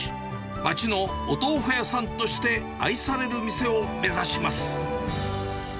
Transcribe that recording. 街のお豆腐屋さんとして愛される店を目指します。